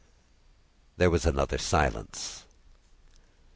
There was another silence.